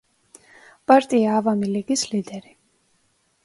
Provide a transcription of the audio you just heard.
პარტია „ავამი ლიგის“ ლიდერი.